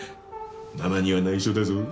ママには内緒だぞ。